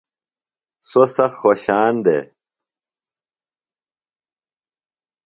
سوۡ سخت خوشان دےۡ۔